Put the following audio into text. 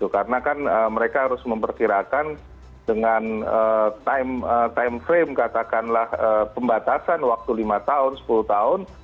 karena kan mereka harus mempertirakan dengan time frame katakanlah pembatasan waktu lima tahun sepuluh tahun